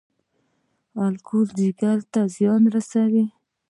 الکول ځیګر ته څه زیان رسوي؟